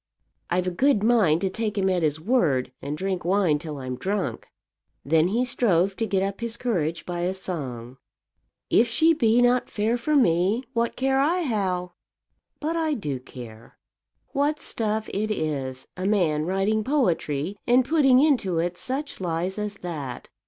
"I've a good mind to take him at his word, and drink wine till I'm drunk." Then he strove to get up his courage by a song. If she be not fair for me, What care I how "But I do care. What stuff it is a man writing poetry and putting into it such lies as that!